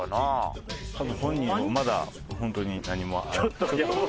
多分本人もまだ本当に何も。